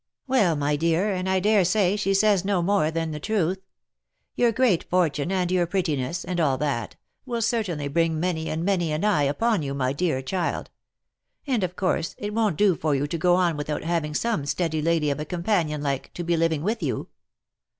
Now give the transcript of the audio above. " Well, my dear, and I dare say she says no more than the truth. Your great fortune, and your prettiness, and all that, will certainly bring many and many an eye upon you, my dear child; and, of course, it won't do for you to go on without having some steady lady of a companion like, to be living with you."